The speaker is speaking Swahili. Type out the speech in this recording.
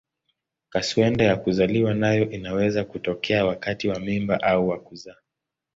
Kaswende ya kuzaliwa nayo inaweza kutokea wakati wa mimba au wa kuzaa.